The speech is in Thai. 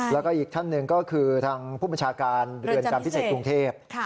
แล้วก็อีกท่านหนึ่งก็คือทางผู้บัญชาการเรือนจำพิเศษกรุงเทพ